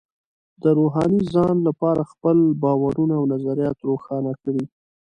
د روحاني ځان لپاره خپل باورونه او نظریات روښانه کړئ.